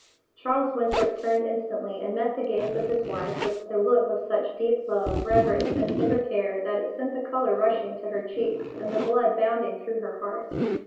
Charles Winthrop turned instantly and met the gaze of his wife with a look of such deep love, reverence, and tender care that it sent the color rushing to her cheeks, and the blood bounding through her heart.